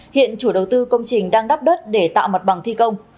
hiện chủ đầu tư công trình đang đắp đất để tạo mặt bằng thi công